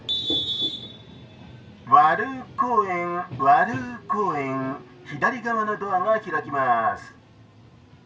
「ワル公園ワル公園左側のドアが開きます」。